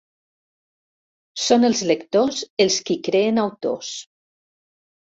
"Són els lectors els qui creen autors.